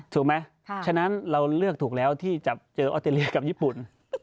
ถูกไหมฉะนั้นเราเลือกถูกแล้วที่จะเจอออสเตรเลียกับญี่ปุ่น